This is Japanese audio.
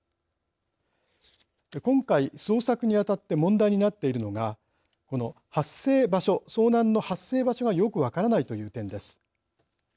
今回捜索に当たって問題になっているのがこの発生場所遭難の発生場所がよく分からないという点です。